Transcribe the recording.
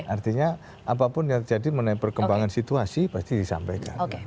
artinya apapun yang terjadi mengenai perkembangan situasi pasti disampaikan